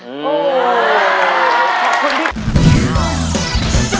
โอ้โห